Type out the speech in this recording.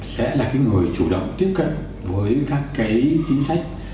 sẽ là người chủ động tiếp cận với các chính sách